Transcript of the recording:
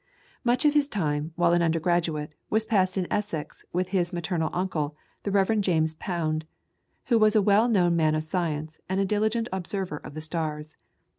Much of his time, while an undergraduate, was passed in Essex with his maternal uncle, the Rev. James Pound, who was a well known man of science and a diligent observer of the stars.